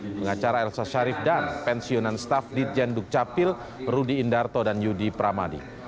pengacara elsa sharif dan pensiunan staff ditjen dukcapil rudy indarto dan yudi pramadi